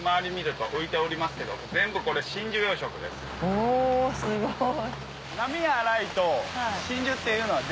おすごい。